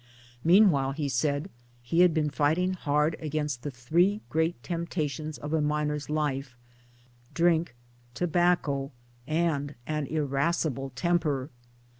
Meanwhile, he said, he had been fighting hard against the three great temptations of a miner's life drink, tobacco, and an irascible temper.